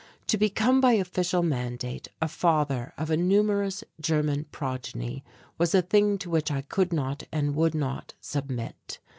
To become by official mandate a father of a numerous German progeny was a thing to which I could not and would not submit.